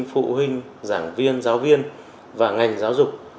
phụ huynh giảng viên giáo viên và ngành giáo dục